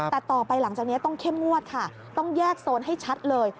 แต่ต่อไปหลังจากนี้ต้องเข้มงวดค่ะต้องแยกโซนให้ชัดเลย